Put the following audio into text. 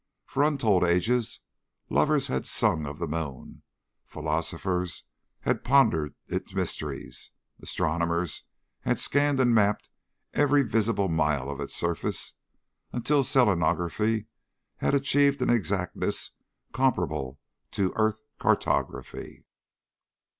For untold ages lovers had sung of the moon, philosophers had pondered its mysteries, astronomers had scanned and mapped every visible mile of its surface until selenography had achieved an exactness comparable to earth cartography.